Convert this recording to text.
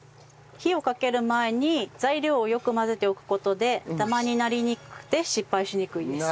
火をかける前に材料をよく混ぜておく事でダマになりにくくて失敗しにくいです。